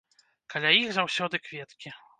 Каля іх заўсёды кветкі.